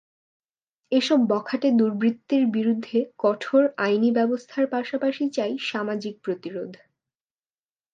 এসব বখাটে দুর্বৃত্তের বিরুদ্ধে কঠোর আইনি ব্যবস্থার পাশাপাশি চাই সামাজিক প্রতিরোধ।